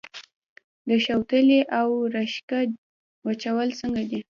د شوتلې او رشقه وچول څنګه دي؟